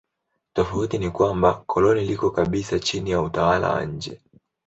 Tofauti ni kwamba koloni liko kabisa chini ya utawala wa nje.